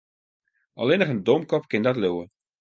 Allinnich in domkop kin dat leauwe.